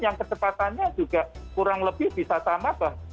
yang kecepatannya juga kurang lebih bisa sama bang